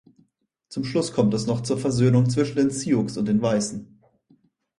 Zum Schluss kommt es noch zur Versöhnung zwischen den Sioux und den Weißen.